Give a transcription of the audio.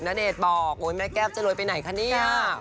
ณเดชน์บอกโอ๊ยแม่แก้วจะรวยไปไหนคะเนี่ย